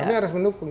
kami harus mendukung